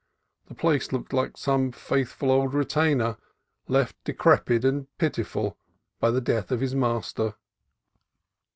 The place looked like some faithful old retainer, left decrepit and pitiful by the death of his master.